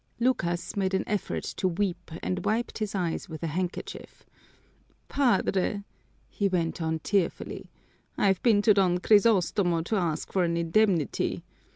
Lucas made an effort to weep and wiped his eyes with a handkerchief. "Padre," he went on tearfully, "I've been to Don Crisostomo to ask for an indemnity.